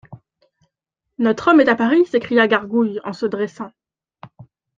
Notre homme est à Paris ? s'écria Gargouille, en se dressant.